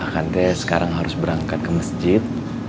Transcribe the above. ah kan teh sekarang harus berangkat ke masjid